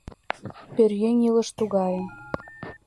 — Пӧръеҥ илыш тугае...